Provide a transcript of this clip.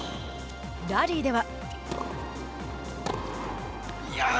ラリーでは。